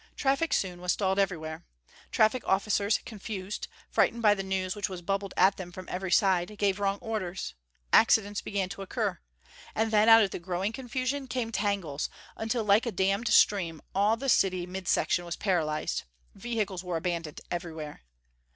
Traffic soon was stalled everywhere. Traffic officers, confused, frightened by the news which was bubbled at them from every side, gave wrong orders; accidents began to occur. And then, out of the growing confusion, came tangles, until, like a dammed stream, all the city mid section was paralyzed. Vehicles were abandoned everywhere.